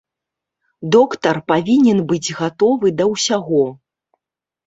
Доктар павінен быць гатовы да ўсяго.